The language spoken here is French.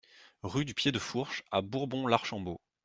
Rue du Pied de Fourche à Bourbon-l'Archambault